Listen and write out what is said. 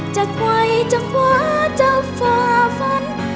จะไกลจะขวาจะฝ่าฝัน